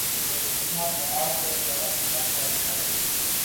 اور رسما کہا کہ بڑا اچھا فیصلہ ہے۔